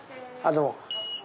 どうも。